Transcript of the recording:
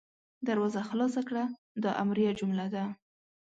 دروازه خلاصه کړه – دا امریه جمله ده.